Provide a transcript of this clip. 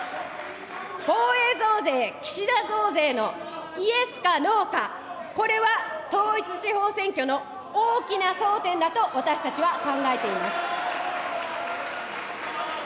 防衛増税、岸田増税のイエスかノーか、これは統一地方選挙の大きな争点だと私たちは考えています。